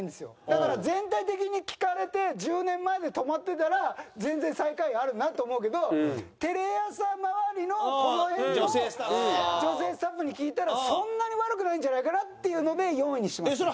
だから全体的に聞かれて１０年前で止まってたら全然最下位あるなって思うけどテレ朝周りのこの辺の女性スタッフに聞いたらそんなに悪くないんじゃないかなっていうので４位にしました。